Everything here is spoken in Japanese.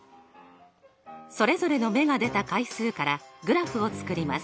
それぞれの目が出た回数からグラフを作ります。